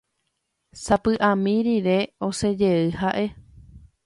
Sapy'ami rire osẽjey ha'e.